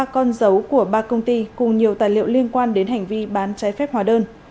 ba con dấu của ba công ty cùng nhiều tài liệu liên quan đến hành vi bán trái phép hóa đơn